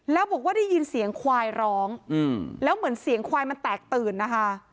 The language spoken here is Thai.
แล้วบอกว่าได้ยินเสียงควายร้องแล้วเหมือนเสียงควายมันแตกตื่นนะคะ